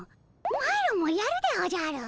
マロもやるでおじゃる！